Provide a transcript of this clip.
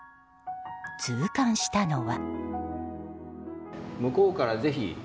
痛感したのは。